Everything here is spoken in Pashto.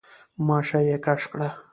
ماشه يې کش کړه.